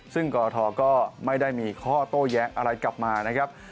ซึ่งกรทก็ไม่ได้มีข้อโต้แย้งอะไรกลับมานะครับ